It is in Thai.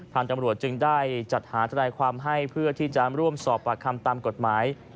ตำรวจจึงได้จัดหาทนายความให้เพื่อที่จะร่วมสอบปากคำตามกฎหมาย